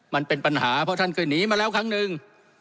มันเป็นปัญหาเพราะท่านเคยหนีมาแล้วครั้งหนึ่ง